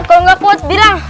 kalau nggak kuat bilang